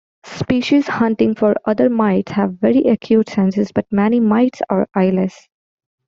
Species hunting for other mites have very acute senses, but many mites are eyeless.